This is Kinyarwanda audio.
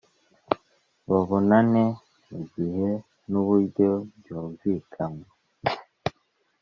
babonane mu gihe n uburyo byumvikanywe